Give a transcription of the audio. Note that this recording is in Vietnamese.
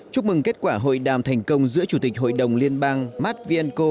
chúc mừng kết quả hội đàm thành công giữa chủ tịch hội đồng liên bang matt vienco